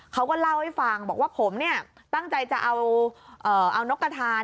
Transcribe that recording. เขาก็เล่าให้ฟังบอกว่าผมเนี่ยตั้งใจจะเอานกกระทาน